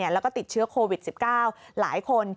แล้วก็ติดเชื้อโควิด๑๙หลายคน